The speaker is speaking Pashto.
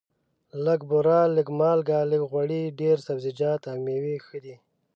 لږه بوره، لږه مالګه، لږ غوړي، ډېر سبزیجات او مېوې ښه دي.